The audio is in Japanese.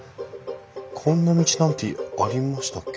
こんな道なんてありましたっけ？